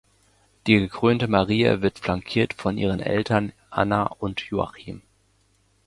Die gekrönte Maria wird flankiert von ihren Eltern Anna und Joachim.